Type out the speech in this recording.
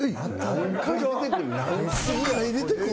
何回出てくんの？